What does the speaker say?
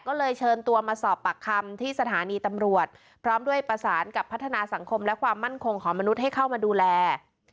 ก็เลยเชิญตัวมาสอบปากคำที่สถานีตำรวจพร้อมด้วยประสานกับพัฒนาสังคมและความมั่นคงของมนุษย์ให้เข้ามาดูแล